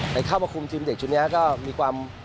เข้ามาคุมทีมเด็กชุดนี้ก็มีความ